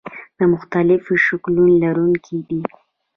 د مختلفو شکلونو لرونکي دي.